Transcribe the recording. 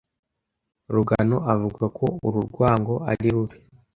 Rugano avuga ko uru rwango ari rubi